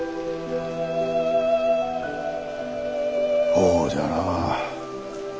ほうじゃな。